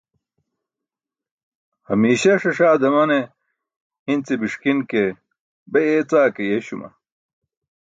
Hamiiśa ṣaṣaa damane hi̇n ce biṣki̇n ke be yeecaa ke yeeśuma.